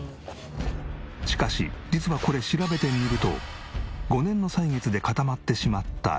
しかし実はこれ調べてみると５年の歳月で固まってしまった塩分。